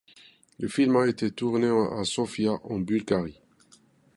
Le film a été tourné à Sofia en Bulgarie.